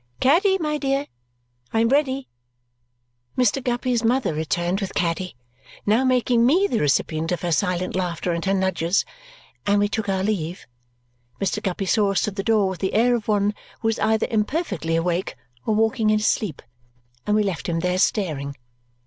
Caddy, my dear, I am ready!" Mr. Guppy's mother returned with Caddy (now making me the recipient of her silent laughter and her nudges), and we took our leave. Mr. Guppy saw us to the door with the air of one who was either imperfectly awake or walking in his sleep; and we left him there, staring.